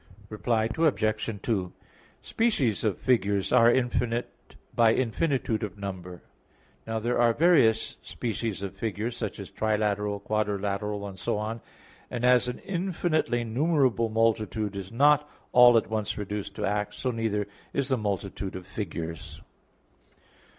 Reply Obj. 2: Species of figures are infinite by infinitude of number. Now there are various species of figures, such as trilateral, quadrilateral and so on; and as an infinitely numerable multitude is not all at once reduced to act, so neither is the multitude of figures.